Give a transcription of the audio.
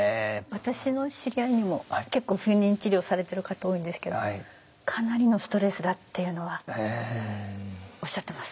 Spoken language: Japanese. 私の知り合いにも結構不妊治療されてる方多いんですけどかなりのストレスだっていうのはおっしゃってます。